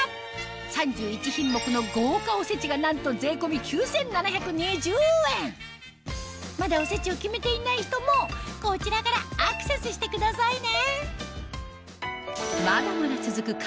３１品目の豪華おせちがなんと税込み９７２０円まだおせちを決めていない人もこちらからアクセスしてくださいね